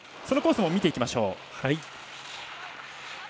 そのコースも見ていきましょう。